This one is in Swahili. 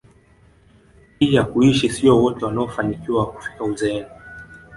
hii ya kuishi sio wote wanaofanikiwa kufika uzeeni